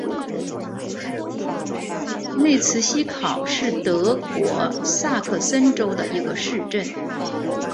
内茨希考是德国萨克森州的一个市镇。